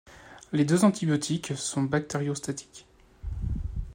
Les deux antibiotiques sont bactériostatiques.